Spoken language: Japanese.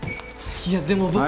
いやでも僕。